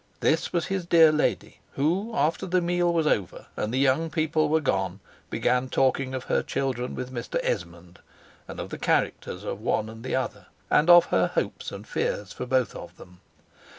This was his dear lady, who, after the meal was over, and the young people were gone, began talking of her children with Mr. Esmond, and of the characters of one and the other, and of her hopes and fears for both of them.